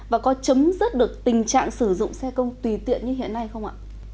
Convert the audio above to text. và có chấm dứt được tình trạng sử dụng xe công tùy tiện như hiện nay không ạ